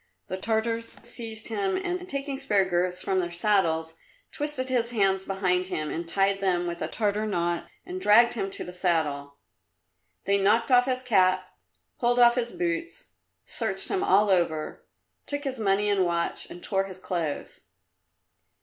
The Tartars seized him, and taking spare girths from their saddles twisted his hands behind him and tied them with a Tartar knot and dragged him to the saddle. They knocked off his cap, pulled off his boots, searched him all over, took his money and watch and tore his clothes.